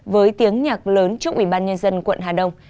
với tiếng nhạc lớn trước ubnd quận hà đông